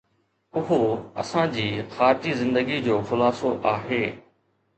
اهو اسان جي خارجي زندگي جو خلاصو آهي